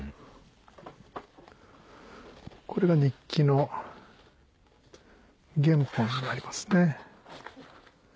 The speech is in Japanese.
これが日記の原本になりますね。